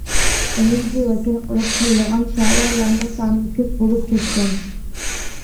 بىرىنچى، ۋەكىل قىلىپ تاللىغان شائىرلارنىڭ سانى كۆپ بولۇپ كەتكەن.